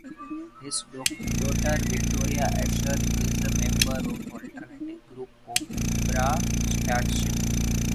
His daughter, Victoria Asher, is a member of the alternative group Cobra Starship.